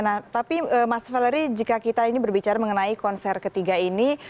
nah tapi mas vallery jika kita ini berbicara mengenai konser ketiga ini